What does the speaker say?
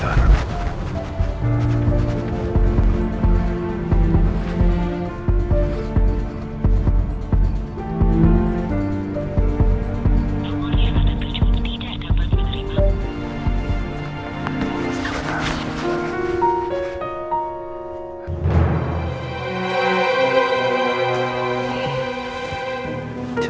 tunggu dia ada tucuk